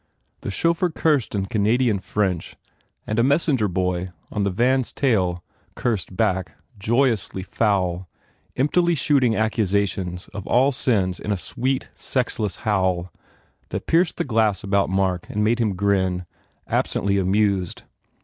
The chauffeur cursed in Ca nadian French and a messenger boy on the van s tail cursed back, joyously foul, emptily shooting accusations of all sins in a sweet, sexless howl that pierced the glass about Mark and made him grin, absently amused.